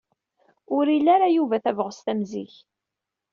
Ur ili ara Yuba tabɣest am zik.